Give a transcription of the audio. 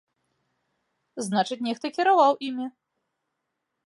Значыць, нехта кіраваў імі!